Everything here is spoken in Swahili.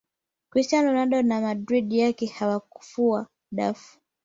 cristiano ronaldo wa madrid yake hawakufua dafu